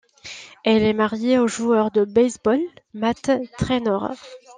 Elle est mariée au joueur de baseball Matt Treanor.